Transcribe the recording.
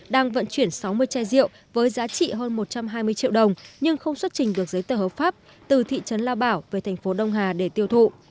đang vận chuyển sáu mươi chai rượu với giá trị hơn một trăm hai mươi triệu đồng nhưng không xuất trình được giấy tờ hợp pháp từ thị trấn lao bảo về thành phố đông hà để tiêu thụ